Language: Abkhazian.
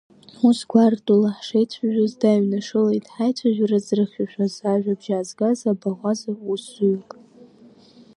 Ус гәаартыла ҳшеицәажәоз дааҩнашылеит ҳаицәажәара зырхьшәашәашаз ажәабжь аазгаз абаӷәаза усзуҩык.